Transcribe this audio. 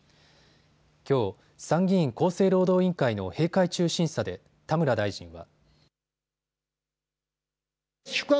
きょう、参議院厚生労働委員会の閉会中審査で田村大臣は。